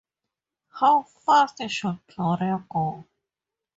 How fast should Gloria go?